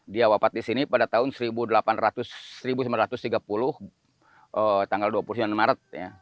dia wafat di sini pada tahun seribu delapan ratus tiga puluh tanggal dua puluh sembilan maret